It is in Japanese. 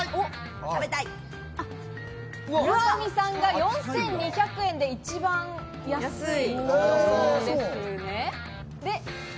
村上さんが４２００円で一番安い。